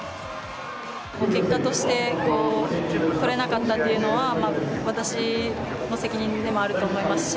結果として取れなかったっていうのは、私の責任でもあると思いますし。